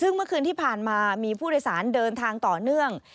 ซึ่งเมื่อคืนที่ผ่านมามีผู้โดยสารเดินทางต่อเนื่อง